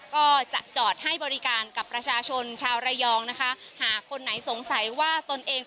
ก็จะจอดให้บริการกับประชาชนชาวระยองนะคะหากคนไหนสงสัยว่าตนเอง